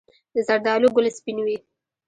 د زردالو ګل سپین وي؟